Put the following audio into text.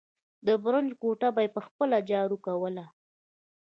د برج کوټه به يې په خپله جارو کوله.